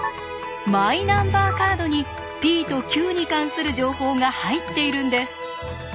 マイナンバーカードにｐとｑに関する情報が入っているんです。